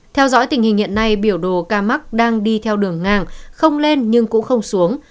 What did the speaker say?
theo dõi tình hình hiện nay biểu đồ ca mắc đang đi theo đường ngang không lên nhưng cũng không xuống